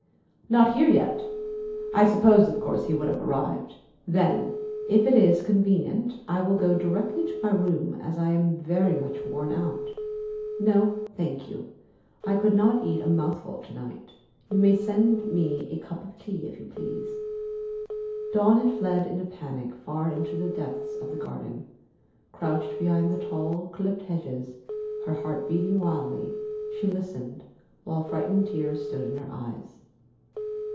"Not here yet? I supposed of course he would have arrived. Then, if it is convenient, I will go directly to my room, as I am very much worn out. No, thank you. I could not eat a mouthful to night. You may send me a cup of tea if you please." Dawn had fled in a panic far into the depths of the garden. Crouched behind the tall, clipped hedges, her heart beating wildly, she listened, while frightened tears stood in her eyes.